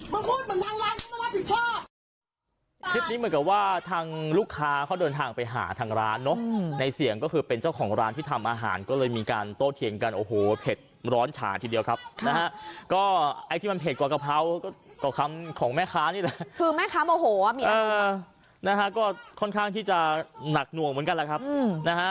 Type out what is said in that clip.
ไม่ใช่มึงเข้าใจป่ะมึงทำไม่ถูกมึงพูดฝ่ายเดียวแล้วมึงไม่ให้ทางร้านพูดเลยอ่ะ